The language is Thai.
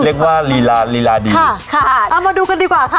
เรียกว่าลีลาลีลาดีค่ะค่ะเอามาดูกันดีกว่าค่ะ